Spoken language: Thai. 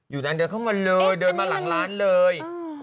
นั้นเดินเข้ามาเลยเดินมาหลังร้านเลย